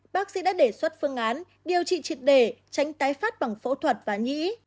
bác sĩ đã đề xuất phương án điều trị triệt để tránh tái phát bằng phẫu thuật và nhĩ